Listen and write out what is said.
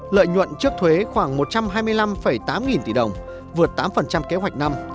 lợi nhuận trước thuế khoảng một trăm hai mươi năm tám nghìn tỷ đồng vượt tám kế hoạch năm